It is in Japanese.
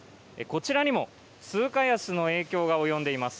こちらにも通貨安の影響が及んでいます。